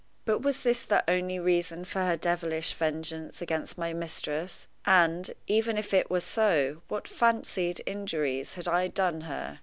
But was this the only reason for her devilish vengeance against my mistress? And, even if it were so, what fancied injuries had I done her?